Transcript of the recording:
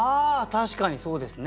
確かにそうですね。